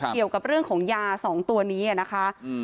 เกี่ยวกับเรื่องของยา๒ตัวนี้นะคะ